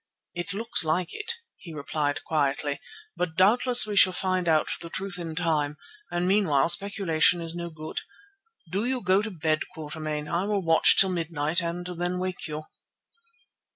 "It looks like it," he replied quietly, "but doubtless we shall find out the truth in time and meanwhile speculation is no good. Do you go to bed, Quatermain, I will watch till midnight and then wake you."